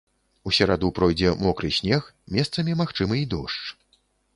У сераду пройдзе мокры снег, месцамі магчымы і дождж.